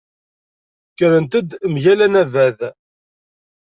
Kkrent-d mgal anabaḍ.